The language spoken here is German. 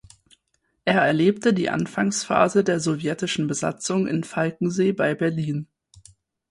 Er erlebte die Anfangsphase der sowjetischen Besatzung in Falkensee bei Berlin.